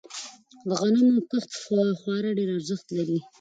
د غنمو کښت خورا ډیر ارزښت لری.